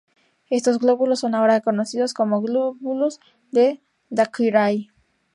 Estos glóbulos son ahora conocidos como glóbulos de Thackeray.